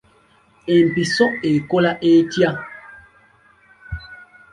Empiso ekola etya?